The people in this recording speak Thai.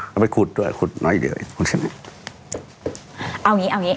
เกษตร้งคุดด้วยกัน